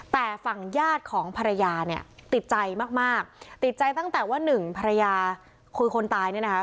แต่ฝั่งญาติของภรรยาเนี่ยติดใจมากมากติดใจตั้งแต่ว่าหนึ่งภรรยาคุยคนตายเนี่ยนะคะ